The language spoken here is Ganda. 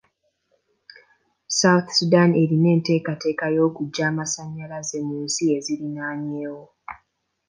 Sounth Sudan erina enteekateeka y'okuggya amasannyalaze mu nsi eziriraanyeewo.